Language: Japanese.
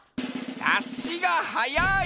さっしがはやい！